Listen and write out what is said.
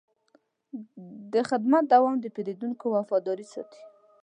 د خدمت دوام د پیرودونکو وفاداري ساتي.